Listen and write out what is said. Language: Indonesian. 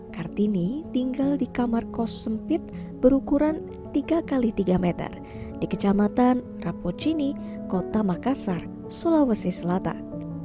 kartini tinggal di kamar kos sempit berukuran tiga x tiga meter di kecamatan rapocini kota makassar sulawesi selatan